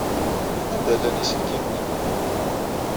Anda llan yiselkimen-nni?